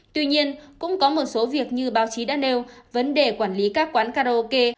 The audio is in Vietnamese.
tuy nhiên cũng có một số việc như báo chí đã nêu vấn đề quản lý các quán karaoke